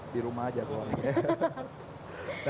di rumah aja kalau orangnya